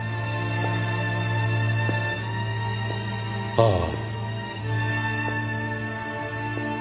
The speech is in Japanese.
ああ。